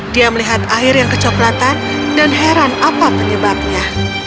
dia melihat air yang kecoklatan dan heran apa penyebabnya